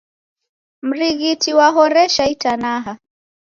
Mrighiti wahoresha itanaha